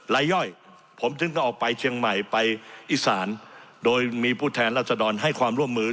ย่อยผมจึงต้องออกไปเชียงใหม่ไปอีสานโดยมีผู้แทนรัศดรให้ความร่วมมือ